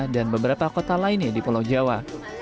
dan beberapa kota lainnya di pulau jawa